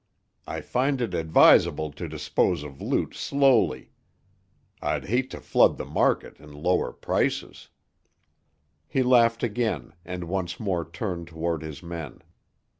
I find it advisable to dispose of loot slowly. I'd hate to flood the market and lower prices." He laughed again, and once more turned toward his men.